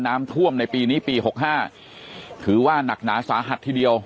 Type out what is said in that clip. น้ำท่วมในปีนี้ปี๖๕ถือว่าหนักหนาสาหัสทีเดียว